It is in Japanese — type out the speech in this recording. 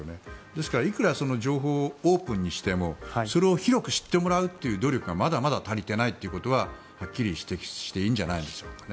ですから、いくら情報をオープンにしてもそれを広く知ってもらうという努力がまだまだ足りていないということははっきり指摘していいんじゃないでしょうか。